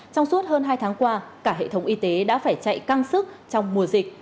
trong suốt hơn hai tháng qua cả hệ thống y tế đã phải chạy căng sức trong mùa dịch